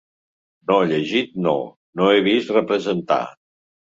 No, llegit… no. Ho he vist representar